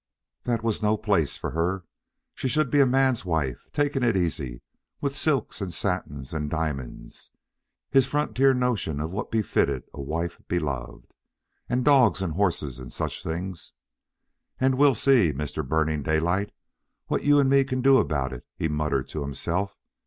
That was no place for her. She should be a man's wife, taking it easy, with silks and satins and diamonds (his frontier notion of what befitted a wife beloved), and dogs, and horses, and such things "And we'll see, Mr. Burning Daylight, what you and me can do about it," he murmured to himself!